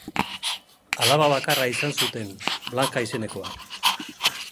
Alaba bakarra izan zuten, Blanka izenekoa.